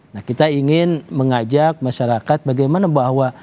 nah kita ingin mengajak masyarakat bagaimana bahwa